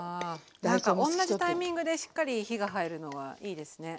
何か同じタイミングでしっかり火が入るのはいいですね。